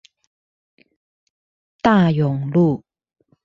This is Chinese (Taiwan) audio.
大勇路